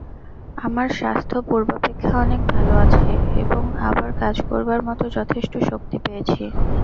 আমার স্বাস্থ্য পূর্বাপেক্ষা অনেক ভাল আছে এবং আবার কাজ করবার মত যথেষ্ট শক্তি পেয়েছি।